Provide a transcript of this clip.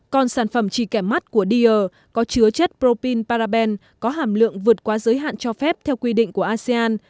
còn sản phẩm trì kẻ mắt của dior có chứa chất propylparaben có hàm lượng vượt qua giới hạn cho phép theo quy định của asean